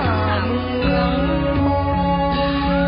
ทรงเป็นน้ำของเรา